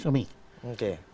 datangnya musim semi